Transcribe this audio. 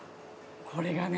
これがね